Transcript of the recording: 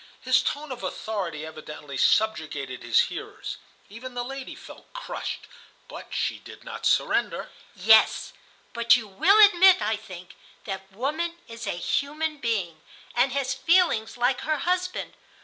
His tone of authority evidently subjugated his hearers. Even the lady felt crushed, but she did not surrender. "Yes, but you will admit, I think, that woman is a human being, and has feelings like her husband.